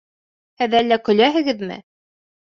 Һеҙ әллә көләһегеҙме?